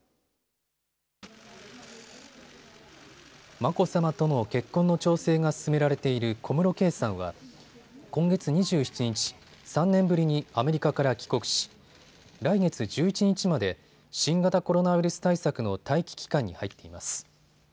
眞子さまとの結婚の調整が進められている小室圭さんは今月２７日、３年ぶりにアメリカから帰国し来月１１日まで新型コロナウイルス対策の待機期間に入っています。